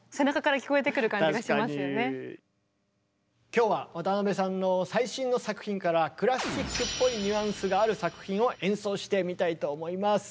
今日は渡辺さんの最新の作品からクラシックっぽいニュアンスがある作品を演奏してみたいと思います。